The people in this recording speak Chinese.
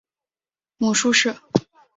母舒氏。